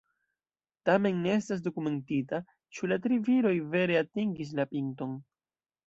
Tamen ne estas dokumentita, ĉu la tri viroj vere atingis la pinton.